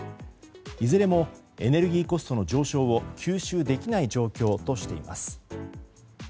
いずれもエネルギーコストの上昇を吸収できない状況としています。